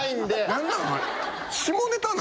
何なん？